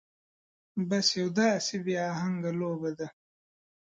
بس يو داسې بې اهنګه لوبه ده.